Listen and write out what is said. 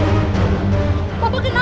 iya karena aku italah